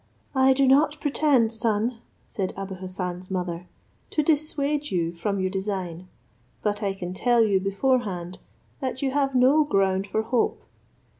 "I do not pretend, son," said Abou Hassan's mother, "to dissuade you from your design; but I can tell you beforehand, that you have no ground for hope.